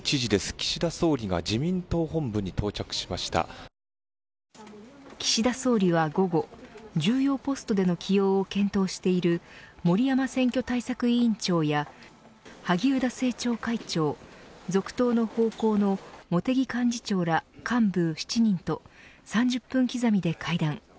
岸田総理が岸田総理は午後重要ポストでの起用を検討している森山選挙対策委員長や萩生田政調会長続投の方向の茂木幹事長ら幹部７人と３０分刻みで会談。